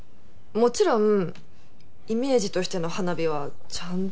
もちろんイメージとしての花火はちゃんと覚えてますよ。